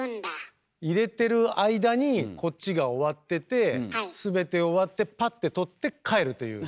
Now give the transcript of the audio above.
いれてる間にこっちが終わってて全て終わってパッて取って帰るという。